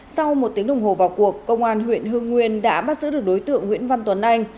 sau một tiếng đồng hồ vào cuộc công an huyện hương nguyên đã bắt giữ được đối tượng nguyễn văn tuấn anh